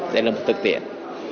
đây là một thực tiễn